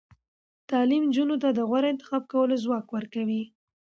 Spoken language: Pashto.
تعلیم نجونو ته د غوره انتخاب کولو ځواک ورکوي.